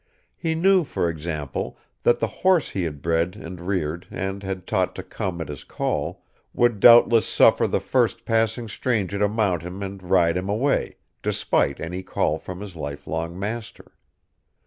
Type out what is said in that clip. He knew, for example, that the horse he had bred and reared and had taught to come at his call, would doubtless suffer the first passing stranger to mount him and ride him away, despite any call from his lifelong master.